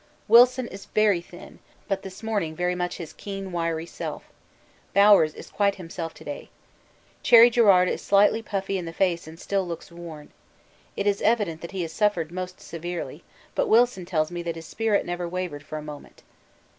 Wilson is very thin, but this morning very much his keen, wiry self Bowers is quite himself to day. Cherry Garrard is slightly puffy in the face and still looks worn. It is evident that he has suffered most severely but Wilson tells me that his spirit never wavered for a moment.